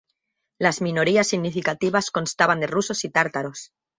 Las minorías significativas constaban de rusos y tártaros.